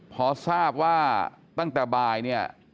พอทราบว่าตั้งแต่บ่ายเนี่ย